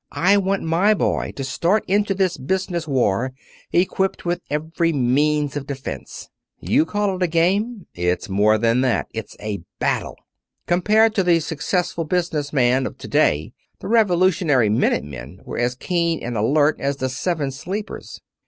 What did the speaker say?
I want my boy to start into this business war equipped with every means of defense. You called it a game. It's more than that it's a battle. Compared to the successful business man of to day the Revolutionary Minute Men were as keen and alert as the Seven Sleepers.